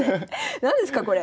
何ですかこれ。